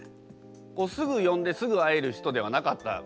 すぐ呼んですぐ会える人ではなかった。